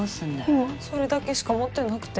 今それだけしか持ってなくて。